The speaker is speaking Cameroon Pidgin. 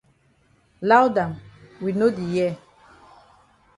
Loud am we no di hear.